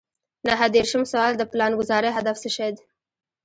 نهه دېرشم سوال د پلانګذارۍ هدف څه دی.